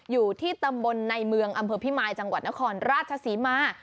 อยู่ที่ตำบลในเมืองอำเภอพิมายจังหวัดนครราชศรีมา